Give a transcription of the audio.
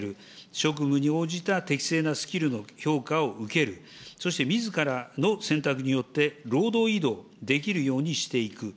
職務に応じた適正なスキルの評価を受ける、そしてみずからの選択によって、労働移動できるようにしていく。